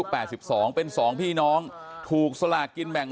ของพี่น้องถูกสลากกินแบ่ง